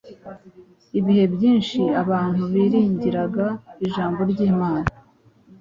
Ibihe byinshi abantu biringiraga Ijambo ry’Imana,